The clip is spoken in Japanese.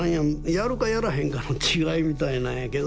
やるかやらへんかの違いみたいなんやけど。